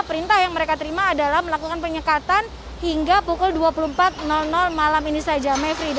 perintah yang mereka terima adalah melakukan penyekatan hingga pukul dua puluh empat malam ini saja mevri